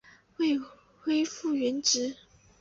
未恢复原职